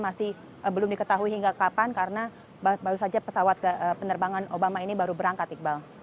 masih belum diketahui hingga kapan karena baru saja pesawat penerbangan obama ini baru berangkat iqbal